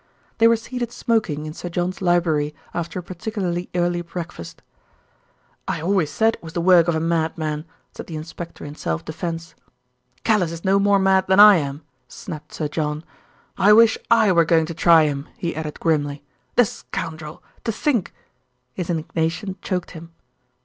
They were seated smoking in Sir John's library after a particularly early breakfast. "I always said it was the work of a madman," said the inspector in self defence. "Callice is no more mad than I am," snapped Sir John. "I wish I were going to try him," he added grimly. "The scoundrel! To think " His indignation choked him.